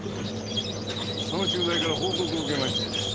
その駐在から報告を受けまして。